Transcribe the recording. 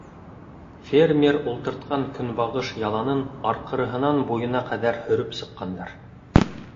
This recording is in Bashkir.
Фермер ултыртҡан көнбағыш яланын арҡырыһынан буйына ҡәҙәр һөрөп сыҡҡандар.